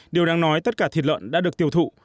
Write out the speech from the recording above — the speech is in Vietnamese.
điều đáng nói tất cả thịt lợn đã được tiêu thụ